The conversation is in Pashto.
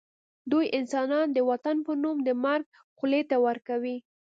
دوی انسانان د وطن په نوم د مرګ خولې ته ورکوي